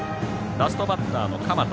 ラストバッターの鎌田。